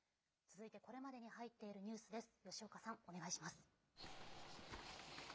続いて、これまでに入っているニュースです。